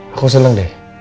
aku seneng deh